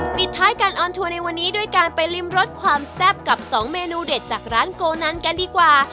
ปิดท้ายการออนทัวร์ในวันนี้ด้วยการไปริมรสความแซ่บกับ๒เมนูเด็ดจากร้านโกนันกันดีกว่า